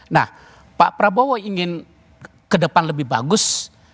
nah pak prabowo ingin ke depan lebih bagus